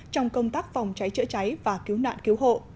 trong công tác phòng cháy chữa cháy và cứu nạn cứu hộ